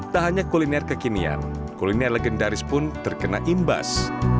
tak hanya kuliner kekinian kuliner legendaris pun terkena imbas